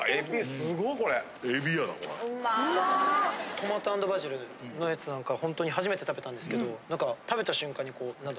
・トマト＆バジルのやつなんかほんとに初めて食べたんですけど何か。